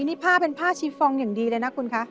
นี่ผ้าเป็นผ้าชีฟองอย่างดีเลยนะคุณคะ